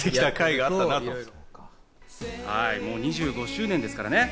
２５周年ですからね。